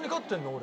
俺。